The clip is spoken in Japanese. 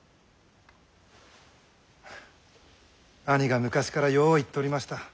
兄が昔からよう言っとりました。